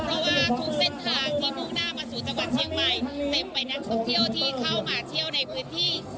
เพราะว่าทุกเส้นทางที่มุ่งหน้ามาสู่จังหวัดเชียงใหม่เต็มไปนักท่องเที่ยวที่เข้ามาเที่ยวในพื้นที่